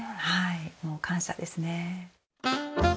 もう感謝ですね。